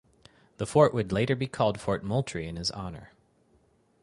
The fort would later be called Fort Moultrie in his honor.